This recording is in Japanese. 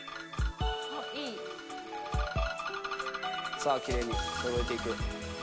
さあきれいにそろえていく。